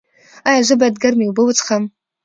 ایا زه باید ګرمې اوبه وڅښم؟